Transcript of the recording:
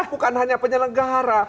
bukan hanya penyelenggara